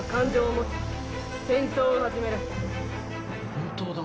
本当だ。